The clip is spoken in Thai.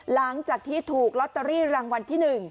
หลังจากที่ถูกลอตเตอรี่รางวัลที่๑